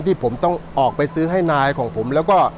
ที่ผมต้องออกไปซื้อให้นายของผมแล้วก็